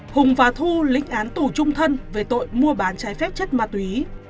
hùng và thu lĩnh án tù trung thân về tội mua bán trái phép chất ma túy